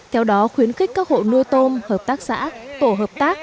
theo đó khuyến khích các hộ nuôi tôm hợp tác xã tổ hợp tác